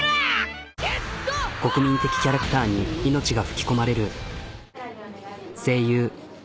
国民的キャラクターに命が吹き込まれる。